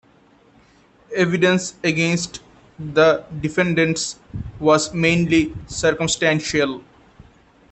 Evidence against the defendants was mainly circumstantial.